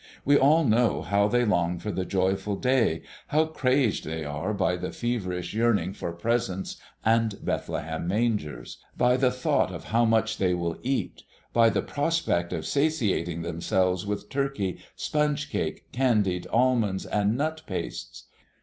We all know how they long for the joyful day, how crazed they are by the feverish yearning for presents and Bethlehem mangers, by the thought of how much they will eat, by the prospect of satiating themselves with turkey, sponge cake, candied almonds, and nut pastes.